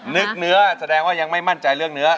เนื้อแสดงว่ายังไม่มั่นใจเรื่องเนื้อ